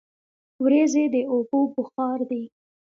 وریځې د اوبو بخار دي.